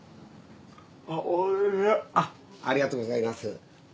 ありがとうございます。